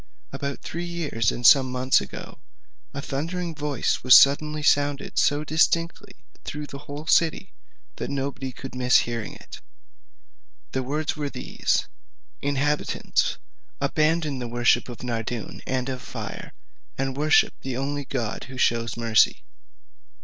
"About three years and some months ago, a thundering voice was suddenly sounded so distinctly, through the whole city, that nobody could miss hearing it. The words were these: 'Inhabitants, abandon the worship of Nardoun, and of fire, and worship the only God who shews mercy.'